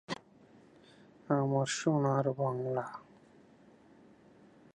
এই ধরনের আইন দেশের প্রাসঙ্গিক আধ্যাত্মিক ধর্মীয় অনুদানের মধ্যে রাজত্বের জন্য ঐশ্বরিক অনুগ্রহ দানের প্রতীক।